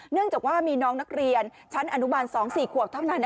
เนื่องจากว่ามีน้องนักเรียนชั้นอนุบาล๒๔ขวบเท่านั้น